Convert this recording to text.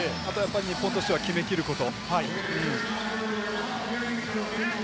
日本としては決めきること。